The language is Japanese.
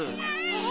え？